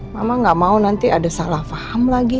mama gak mau nanti ada salah faham lagi